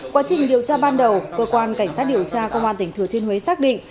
quá trình điều tra ban đầu cơ quan cảnh sát điều tra công an tỉnh thừa thiên huế xác định